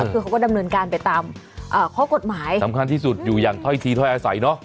คือเขาก็ดำเนินการไปตามข้อกฎหมายสำคัญที่สุดอยู่อย่างถ้อยทีถ้อยอาศัยเนอะ